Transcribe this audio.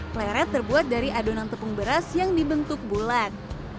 pleret terbuat dari adonan tepung beras yang dibentuk bulat